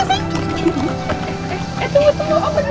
apa dia nggak berhenti